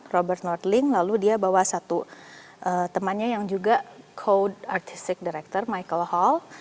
robert nortling lalu dia bawa satu temannya yang juga code artistic director michael hall